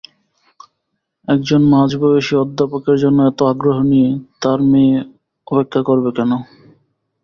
একজন মাঝবয়সী অধ্যাপকের জন্যে এত আগ্রহ নিয়ে তাঁর মেয়ে অপেক্ষা করবে কেন?